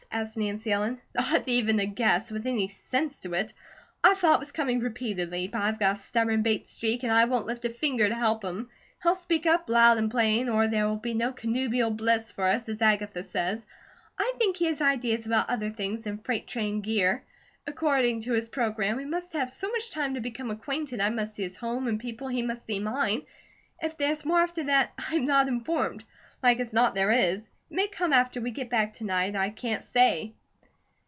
asked Nancy Ellen. "Not even a guess, with any sense to it. I've thought it was coming repeatedly; but I've got a stubborn Bates streak, and I won't lift a finger to help him. He'll speak up, loud and plain, or there will be no 'connubial bliss' for us, as Agatha says. I think he has ideas about other things than freight train gear. According to his programme we must have so much time to become acquainted, I must see his home and people, he must see mine. If there's more after that, I'm not informed. Like as not there is. It may come after we get back to night, I can't say."